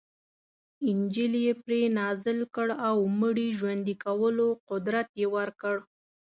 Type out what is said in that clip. انجیل یې پرې نازل کړ او مړي ژوندي کولو قدرت یې ورکړ.